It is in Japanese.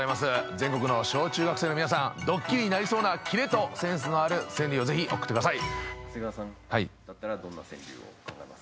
全国の小中学生の皆さんドッキリになりそうなキレとセンスのある川柳をぜひ送ってください。